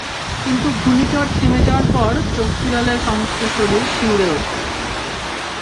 কিন্তু ঘূর্ণিঝড় থেমে যাওয়ার পর চোখ ফিরালে সমস্ত শরীর শিউরে ওঠে।